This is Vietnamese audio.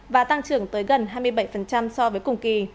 và tăng trưởng tới gần hai mươi bảy so với cùng kỳ